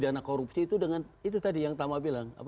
pidana korupsi itu dengan itu tadi yang tama bilang